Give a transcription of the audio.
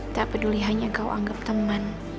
tak peduli hanya kau anggap teman